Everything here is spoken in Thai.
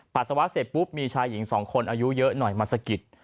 ปัสสาวะเสร็จปุ๊บมีชายหญิงสองคนอายุเยอะหน่อยมาสะกิด